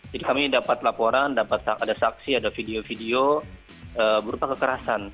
jadi kami dapat laporan ada saksi ada video video berupa kekerasan